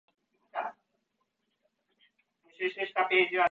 と書きかえるだけの仕事に過ぎないかも知れない